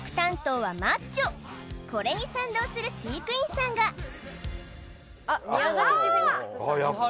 これに賛同する飼育員さんがあーっ